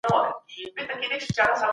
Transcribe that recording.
پیغمبران د خدای له لوري غوره سوي خلګ دي.